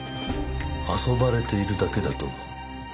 「遊ばれているだけだと思う」